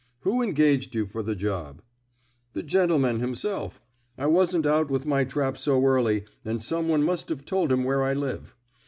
Who engaged you for the job?" "The gentleman himself. I wasn't out with my trap so early, and some one must have told him where I live.